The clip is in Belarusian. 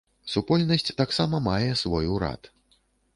Супольнасць таксама мае свой урад.